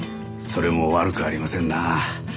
それも悪くありませんなあ。